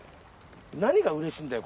何が嬉しいんだよ